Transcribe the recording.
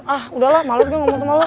ah udahlah malem gue ngomong semalam